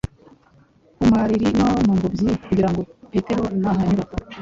ku mariri no mu ngobyi, kugira ngo Petero nahanyura